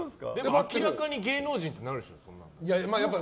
明らかに芸能人ってなるでしょ。